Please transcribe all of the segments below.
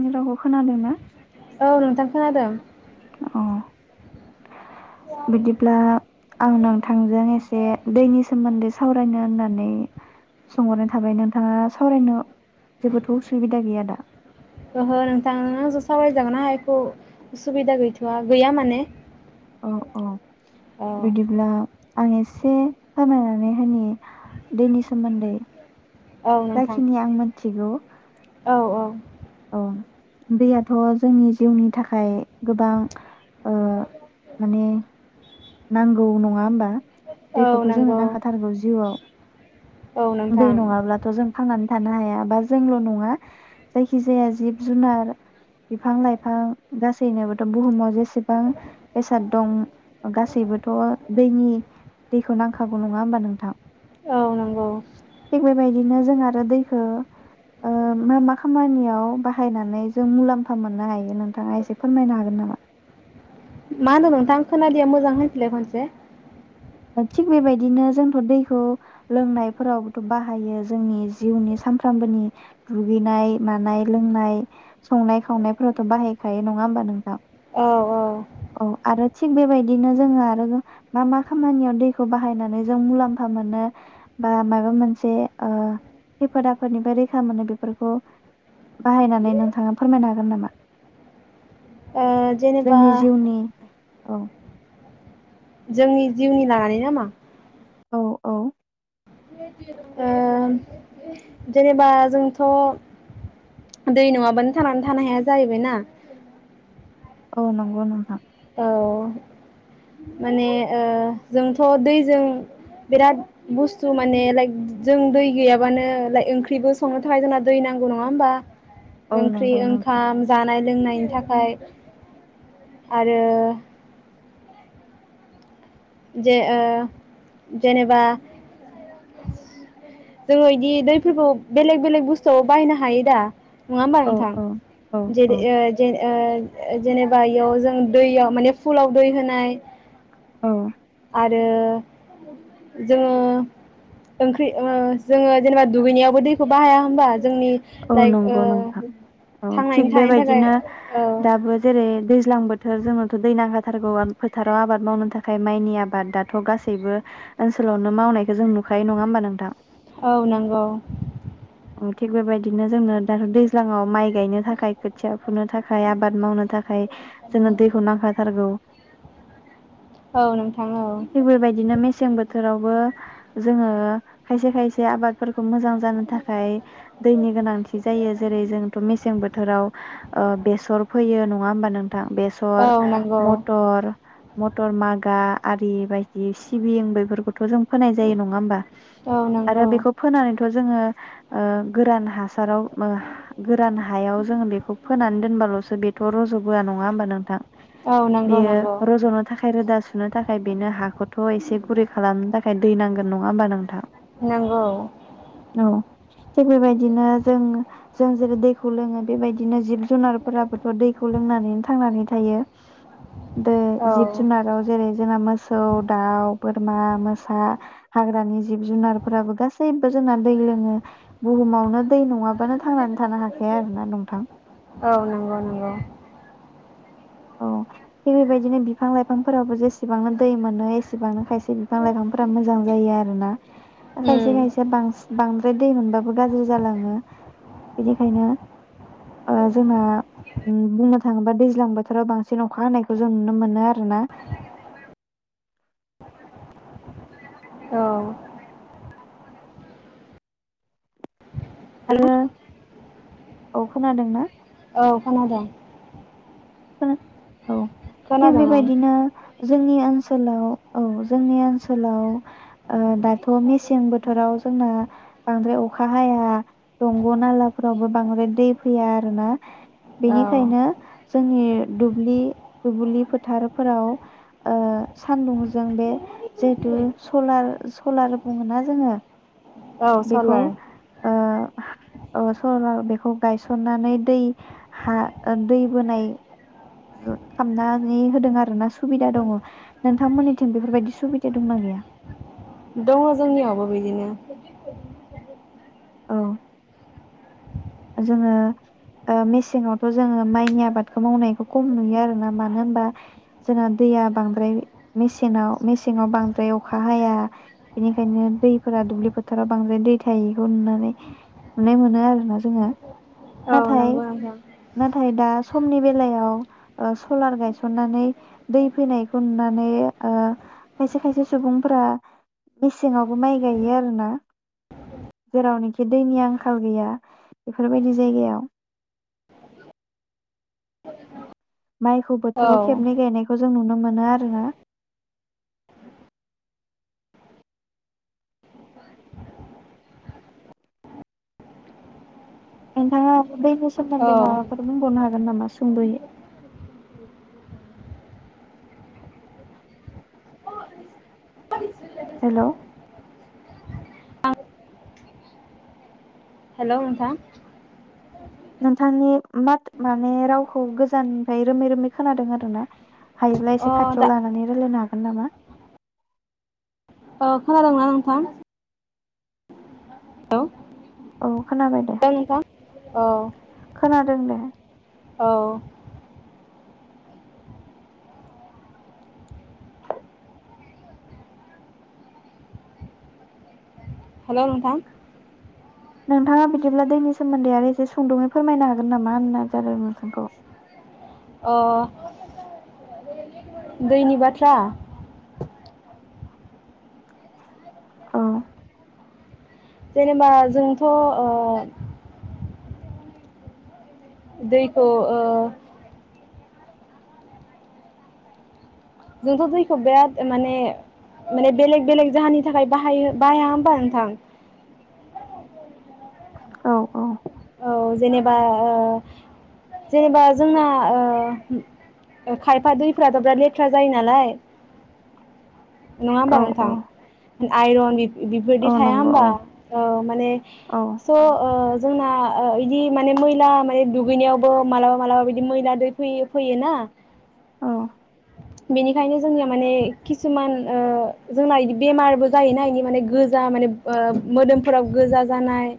आंनि रावखौ खोनादों ना औ नोंथां खोनादों अ बिदिब्ला आं नोंथांजों एसे दैनि सोमोन्दै सावरायनो होननानै सोंहरनाय थाबाय नोंथाङा सावरायनो जेबोथ उसिदा गैया दा? ओहो नोंथां आंजों सावरायजानाो हायो सुबुबिदा गैथआ गैया माने। औ औ औ बिदिब्ला आं एसे फोरमायनानै होननि दैनि सोमोन्दै औ नोंथां जाखिनि आं मिथिगौ। औ औ औ दैयाथ जोंनि जिउनि थाखाय गोबां ओ माने नांगौ नङा होमबा? औ दैखौथ जोंनो नंगौ नांखाथारगौ औ जिउआव दै नोंथां नङाब्लाथ जों थांना थानो हाया बा जोंल नङा जायखि जाया जिब-जुनार बिफां-लाइफां गासैनोबोथ बुहुमाव जेसे बेसेबां बेसाद दं गासैबोथ' दैनि दैखौ नांखागौ नङा होमबा नोंथां औ नंगौ। बिदिनो जों आरो दैखो ओ मा मा खामानियाव बाहायनानै जों मुलाम्फा मोननो हायो नोंथाङा एसे फोरमायनो हागोन नामा? मा होनदों नोंथां खोनलिया मोजां होनसैलाय खनसे ओ थिग बेबायदिनो जोंथ दैखौ लोंनायफोरावबोथ' बाहायो जोंनि जिउनि सानफ्रामबोनि दुगैनाय मानाय लोंनाय संनाय खावनायफोरावथ' बाहायखायो नङा होमबा नोंथां । औ औ औ आरो थिग बेबायदिनो जोङो आरो मा मा खामानियाव दैखौ बाहायनानै जों मुलाम्फा मोनो बा माबा मोनसे ओ खैफोद आफोदनिबो रैखा मोनो बेफोरखौ बाहायनानै नोंथाङा फोरमायनो हागोन नामा? ओ जेनेबा उननि औ जोंनि जिउनि लानानै नामा? औ औ ओ जेनेबा जोंथ' दै नङाबानो थांनानै थानो हाया जाहैबायना। औ नंगौ नोंथां औ माने ओ जोंथ' दैजों बिराद बुस्थु माने लाइक जों दै गैयाबानो लाइक ओंख्रिबो संनो थाखाय जोंना दै नांगौ नङा होमबा? औ ओंख्रि नंगौ नोंथां ओंखाम जानाय लोंनायनि थाखाय आरो जे ओ जेनेबा जोङो इदि दैफोरखौ बेलेग बेलेग बुस्थुआव बाहायनो हायो दा? नङा होमबा औ नोंथां? औ औ औ जेरै ओ जेरै ओ जेनेबा इयाव जों दैयाव माने फुलाव दै होनाय औ। आरो जोङो ओंख्रि ओ जोङो जेनेबा दुगैनायावबो दैखौ बाहाया होमबा? जोंनि औ लाइक ओ नंगौ नोंथां औ थिग थांनानै थानायनि थाखाय बेबायदिनो औ दाबो जेरै दैज्लां बोथ जोंनोथ' दै नांखाथारगोै फोथाराव आबाद मावनो थाखाय माइनि आबाद दाथ' गासैबो ओनसोलावनो मावनायखौ जों नुखायो नङा होमबा नोंथां? औ नंगौ। उम थिग बेबायदि बिदिनो जोंनो दाथ' दैज्लाङाव माइ गायनो थाखाय खोथिया फुनो थाखाय आबाद मावनो थाखाय जोंनो दैखौ नांखाथारगौ। औ नोंथां औ थिग बेबायदिनो मेसें बोथोरावबो जोङो खायसे खायसे आबादफोरखौ मोजां जानो थाखाय दैनि गोनांथि जायो जेरै जोंथ' मेसें बोथोराव ओ बेसर फोयो नङा होमबा नोंथां औ बेसर नंगौ मटर मटर मागा आरि बायदि सिबिं बेफोरखौ थ' जों फोनाय जायो नङा होमबा औ आरो नंगौ बेखौ फोनानैथ' जोङो ओ। गोरान हासाराव ओ गोरान हायाव जोङो बेखौ फोनानै दोनबाल'सो बेथ' रज'बोआ नङा होमबा नोंथां? औ नंगौ नंगौ बेयो रज'नो थाखाय रोदा सुनो थाखाय बेनो हाखौथ' एसे गुरै खालामनो थाखाय दै नांगोन नङा होमबा नोंथां? नंगौ थिग बेबायदिनो जों जों जेरै दैखौ लोङो बेबायदि बिदिनो जिब जुनारफोराबोथ' दैखौ लोंनानैनो थांनानै थायो। दै औ जिब जुनाराव जेरै जोंना मोसौ दाउ बोरमा मोसा हाग्रानि जिब जुनारफोराबो गासैबो जोंना दै लोङो। बुहुमावनो दै नङाबानो थांनानै थानो हाखाया आरोना नोंथां। औ नंगौ नंगौ औ बेफोरबायदिनो बिफां लाइफांफोराबो जेसेबांनो दै मोनो एसे बिसेबांनो खायसे बिफां-लाइफांफोरा मोजां जायो आरोना खायसे उम खायसेया बांसि बां दै मोनबाबो गाज्रि जालाङो बिनिखायनो ओ जोंना ओम बुंनो थाङोबा दैज्लां बोथ बोथोराव बांसिन अखा हानायखौ जों नुनो मोनो आरो ना। औ। आरो औ खोनादोंना? औ खोनादों। खोना औ थिग खोनादों बेबायदिनो जोंनि ओनसोलाव औ जोंनि ओनसोलाव ओ दाथ' मेसें बोथोराव जोंना बांद्राय अखा हाया दंग' नालाफोरावबो बांद्राय दै फैया आरोना ओं बेनिखायनो जोंनि दुब्लि दुब्लि फोथारफोराव ओ सानदुंजों बे जिहेतु सलार सलार बुङोना जोङो। औ बेखौ सलार ओ। स बेखौ गायसननानै दै हा दै बोनै खालामनानै होदों आरोना सुबिदा दङ नोंथांमोननिथिं बेफोरबायदि सुबिदा दंना गैया? दङ जोंनियावबो बिदिनो औ। जोङो मेसेंआवथ' जोङो माइनि आबादखौ मावनायखौ खम नुयो आरोना मानो होनबा जोंना दैया बांद्रायसे मेसेङाव बांद्राय अखा हाया बेनिखायनो दैफोरा दुब्लि फोथाराव बांद्राय दै थायोखौ नुनानै नुनाय मोनो आरोना। जोङो औ नाथाय नंगौ नोंथां नाथाय दा समनि बेलायाव सलार गायसननानै दै फैनायखौ नुनानै खायसे खायसे सुबुंफोरा मेसेंआवबो माइ गायो आर ना जेरावनोखि दैनि आंखाल गैया। बेफोरबायदि जायगायाव माइखौ औ बोथोराव खेबनै गायनायखौ नुनो मोनोआरोना। नोंथाङा बेनि औ सोमोन्दै माबाफोर बुंबावनो हागोन नामा। सुंदयै हेलौ हेलौ नोंथां नोंथांनि माथ माने रावखौ गोजाननिफ्राय रोमै रोमै खोनादों आरो ना। हायोब्ला एसे अ दा खाथियाव लानानै रायलायना। [unintelligible] खोनादोंना नोंथां? औ। औ। खोनाबाय दे औ खोनादों दे। औ। हेलौ नोंथां नोंथाङा बिदिब्ला दैनि सोमोन्दै आरो एसे सुंदुङै फोरमायनो हागोन नामा होनाय जादों नोंथांखौ अ। दैनि बाथ्रा औ जेनेबा जोंथ ओ' दैखौ ओ जोंथ' दैखौ बिराद माने माने बेलेग बेलेग जाहोनि थाखाय बाहायो बाहाया होनबा नोंथां। औ औ। औ जेनेबा ओ जेनेबा जोंना ओ खायफा दैफ्राथ' बिराद लेथ्रा जायो नालाय। नङाहोनबा औ औ नोंथां। आइरन बिबायदि औ थाया नंगौ होमबा औ माने औ स' ओ जोंना बिदि माने मैला माने दुगैनायावबो मालाबा मालाबा बिदि मैला दै फैयो फैयोना‌ औ। बेनिखायनो जोंनिया माने किसुमान जोंना बिदि बेमारबो जायोना बिनि माने गोजा माने मोदोमफोराव गोजा जानाय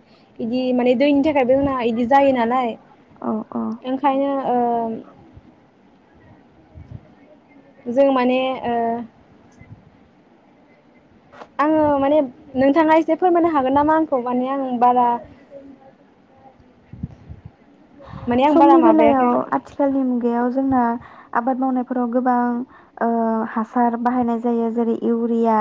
इदि माने दैनि था [inaudible] इदि जायो नालाय। औ औ ओंखायनो ओ जों माने ओ आङो माने नोंथाङा एसे फोरमायनो हागोन नामा आंखौ माने आं बारा माने आं बारा समनि माबायाखै बेलायाव आथिखालनि मुगायाव जोंना आबाद मावनाय फोराव गोबां ओ हासार बाहायनाय जायो जेरै इउरिया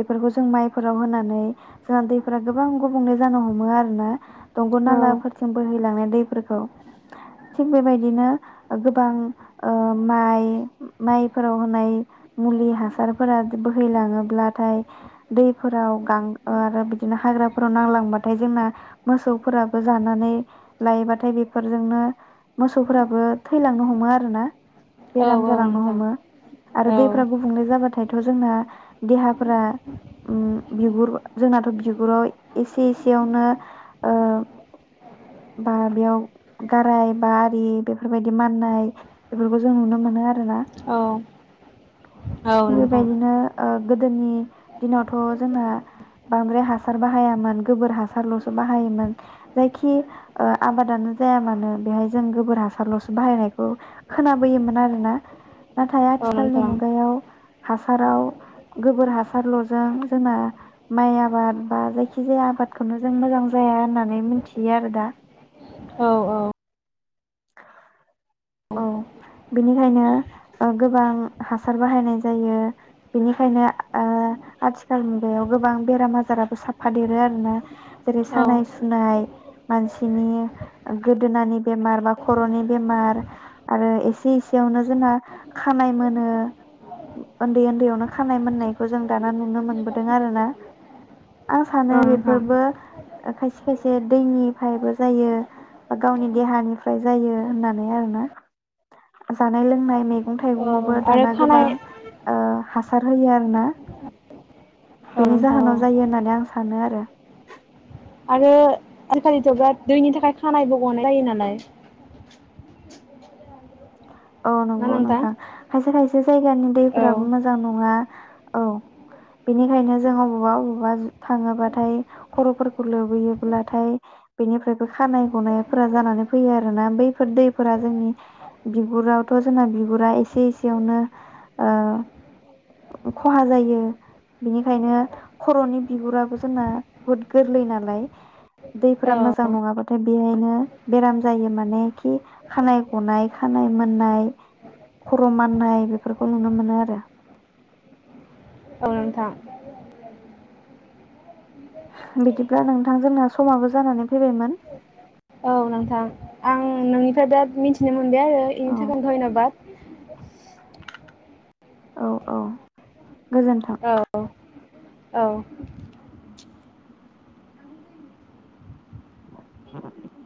बेफोरखौ जों माइफोराव होनानै जोंहा दैफोरा गोबां गुबुंले जानो हमो आरोना । दंग' औ नालाफोरजों बोहैलांनाय दैैफोरखौ । थिग बेबायदिनो ओ गोबां ओ माइ माइफोराव होनाय मुलि हासारफोरा बोहैलाङोब्लाथाय दैफोराव गां ओ आरो बिदिनो हाग्राफोराव नांलांबाथाय जोंना मोसौफोराबो जानानै लायोबाथाय बे बेफोरजोंनो मोसौफोराबो थैलांनो हमो आरोना । औ बेराम औ जालांनो नोंथां हमो आरो औ दैफ्रा गुबुंले जाबाथायथ' जोंना [inaudible] देहाफोरा उम बिगुर जोंनाथ' बिगुराव एसे एसेयावनो ओ बा बेयाव गाराय बा आरि बेफोर बायदि माननाय बेफोरखौ जों नुनो मोनो आ रोना औ औ [inaudible] थिग नोंथां बेबायदिनो ओ गोदोनि दिनावथ' जोंना बांद्राय हा सार बाहायामोन गोबोर हासारल'सो बाहायोमोन जायखि ओ आबादानो जाया मानो बेहाय जों गोबोर हासारल'सो बाहायनायखौ खोनाबोयोमोन आरोना। नाथाय औ आथिखालनि नोंथां मुगायाव हासाराव गोबोर हासारल'जों जोंना माइ आबाद बा जायखि जाया आबादखौनो जों मोजां जाया होननानै मिथियो आरो दा। औ औ। [inaudible] औ बेनिखायनो ओ गोबां हासार बाहायनाय जायो बेनिखायनो आ आथिखाल मुगायाव गोबां बेराम आजाराबो साफा देरो आरोना। जेरै औ सानाय सुनाय मानसिनि गोदोनानि बेमार बा खर'नि बेमार। आरो एसे एसेयावनो जोंना खानाय मोनो उन्दै उन्दैयावनो खानाय मोननायखौ जों दाना नुनो मोनबोदों आरोना। आं सानो नोंथां बेफोरबो खायसे खायसे दैनिफ्रायबो जायो बा गावनि देहानिफ्राय जायो होननानै आरो‌ ना [inaudible] जानाय लोंनाय मै गं औ थाइगंआवबो आरो दाना गोबां खानाय ओ हासार होयो आरोना। औ बेनि नोंथां औ जाहोनाव जायो होननानै आं सानो आरो। आरो आजिखालिथ' बेराद दैनि थाखाय खानायबो गनाय जायो नालाय। औ नंगौ नोंथां खायसे खायसे जायगानि औ दैफोराबो मोजां नङा। औ बेनिखायनो जों अबावबा अबेावबा थाङोबाथाय खरफोरखौ लोबैयोब्लाथाय बेनिफ्रायबो खानाय गनायफोरा जानानै फैयो आरोना बैफोर दैफोरा जोंनि बिगुरावथ जोंना बिगुरा एसे एसेयावनो ओ खहा जायो बिनिखायनो खरनि बिगुराबो जोंना बुहुत गोरलै नालाय औ दैफोरा मोजां नङाबाथाय बेहायनो बेराम जायो माने खि खानाय गनाय खानाय मोननाय खर माननाय बेफोरखौ नुनो मोनो आरो औ नोंथां बिदिब्ला नोंथां जोंना समाबो जानानै फैबायमोन। औ नोंथां आं नोंनिफ्राय बिराद मिथिनो मोन बाय आरो इनि औ थाखायनो धन्यबाद [inaudible] औ औ गोजोन्थों औ औ [unintelligible]